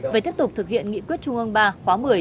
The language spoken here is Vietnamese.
về tiếp tục thực hiện nghị quyết trung ương ba khóa một mươi